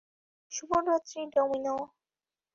শুভরাত্রি, ডমিনো।